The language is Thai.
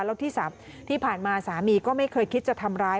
แล้วที่ผ่านมาสามีก็ไม่เคยคิดจะทำร้าย